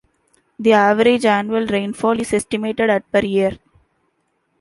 The average annual rainfall is estimated at per year.